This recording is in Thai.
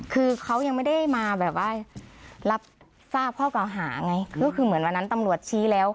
คือเขายังไม่ได้มาแบบว่ารับทราบข้อเก่าหาไงก็คือเหมือนวันนั้นตำรวจชี้แล้ว